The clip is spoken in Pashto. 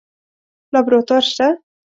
لابراتوار شته؟